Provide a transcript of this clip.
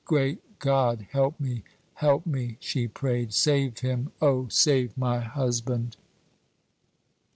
"Great God! help me, help me," she prayed. "Save him O, save my husband."